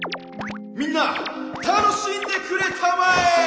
みんな楽しんでくれたまえ！